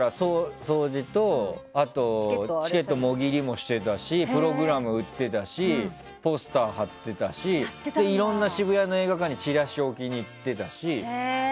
チケットのもぎりもしていたしプログラムを売ってたしポスターを貼ってたしいろいろな渋谷の映画館にチラシを置きに行ったり。